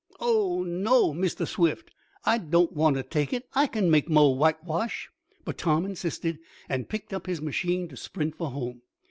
"Oh, no, Mistah Swift, I doan't want t' take it. I kin make mo' whitewash." But Tom insisted, and picked up his machine to sprint for home.